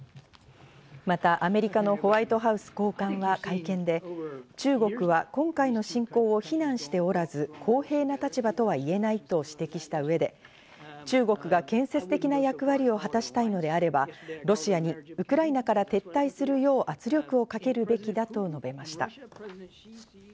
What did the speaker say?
またアメリカのホワイトハウス高官は会見で、中国は今回の侵攻を非難しておらず、公平な立場とは言えないとした上で、中国は建設的な役割を果たしたいのであれば、ロシアにウクライナから撤退するよう圧力をかけるべきだと述べました。